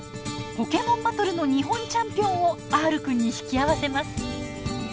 ポケモンバトルの日本チャンピオンをＲくんに引き合わせます。